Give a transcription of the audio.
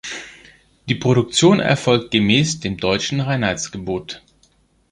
Die Produktion erfolgt gemäß dem Deutschen Reinheitsgebot.